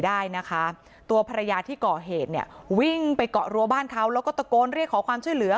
ได้นะคะตัวภรรยาที่ก่อเหตุเนี่ยวิ่งไปเกาะรัวบ้านเขาแล้วก็ตะโกนเรียกขอความช่วยเหลือ